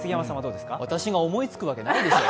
私が思いつくわけないでしょう。